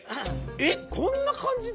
えっこんな感じで？